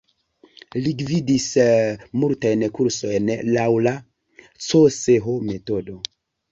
Li gvidis multajn kursojn laŭ la Cseh-metodo.